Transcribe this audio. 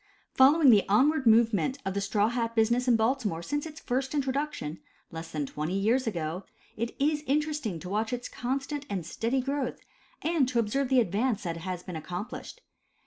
Following the onward movement of the straw hat business in Baltimore since its first introduction (less than twenty years ago), it is interesting to watch its constant and steady growth, and to observe the advance that has been accomplished.